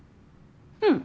うん。